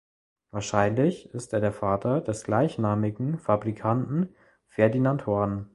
Wahrscheinlich ist er der Vater des gleichnamigen Fabrikanten Ferdinand Horn.